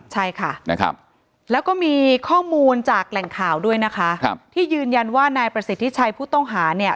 ใช่ค่ะนะครับแล้วก็มีข้อมูลจากแหล่งข่าวด้วยนะคะครับที่ยืนยันว่านายประสิทธิชัยผู้ต้องหาเนี่ย